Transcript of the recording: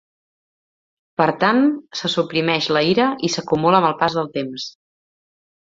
Per tant, se suprimeix la ira i s'acumula amb el pas del temps.